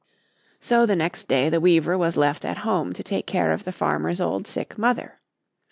So, the next day, the weaver was left at home to take care of the farmer's old sick mother.